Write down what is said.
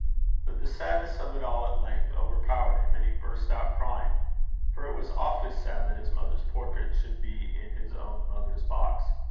But the sadness of it all at length overpowered him, and he burst out crying. For it was awfully sad that his mother's portrait should be in his own mother's box.